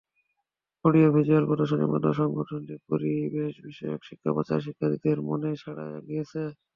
Audio visual প্রদর্শনীর মাধ্যমে সংগঠনটি পরিবেশবিষয়ক শিক্ষা প্রচারে শিক্ষার্থীদের মনে সাড়া জাগিয়েছে।